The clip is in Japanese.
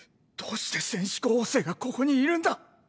どうして戦士候補生がここにいるんだ？